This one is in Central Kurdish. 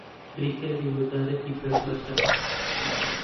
بریکاری وەزارەتی پەروەردە